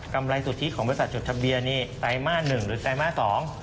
ไรสุทธิของบริษัทจดทะเบียนนี่ไตรมาสหนึ่งหรือไตรมาส๒